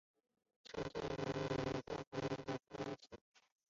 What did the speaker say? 车站名称来自于泰晤士河的支流史丹佛溪。